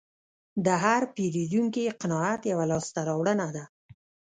د هر پیرودونکي قناعت یوه لاسته راوړنه ده.